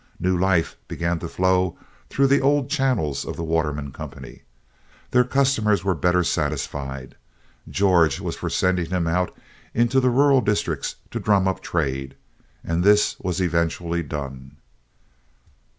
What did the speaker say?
New life began to flow through the old channels of the Waterman company. Their customers were better satisfied. George was for sending him out into the rural districts to drum up trade, and this was eventually done.